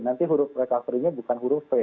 nanti huruf recovery nya bukan huruf p